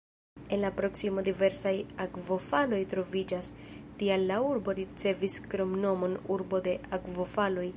En la proksimo diversaj akvofaloj troviĝas, tial la urbo ricevis kromnomon "urbo de akvofaloj".